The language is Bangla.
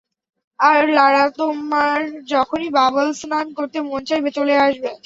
আর লারা তোমার যখনই বাবল স্নান করতে মন চাইবে চলে আসবে!